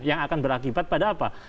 yang akan berakibat pada apa